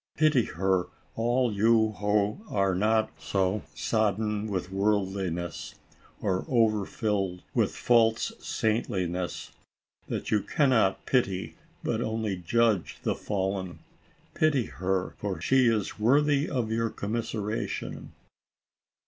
Pity her, all you who are not so sodden with worldliness, or over filled with false saintliness, that you cannot pity, but only judge, the fallen; pity her, for she is worthy of your commiseration.